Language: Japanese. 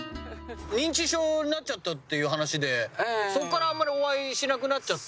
認知症になっちゃったっていう話でそこからあまりお会いしなくなっちゃって。